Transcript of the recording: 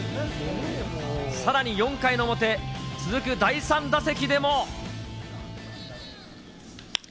さらに４回の表、続く第３打席でも。